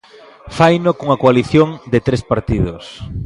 Faino cunha coalición de tres partidos.